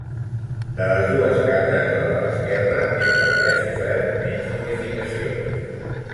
De les dues cases, la de l'esquerra és la que ha sofert menys modificacions.